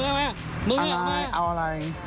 เอาแม่เอาอะไร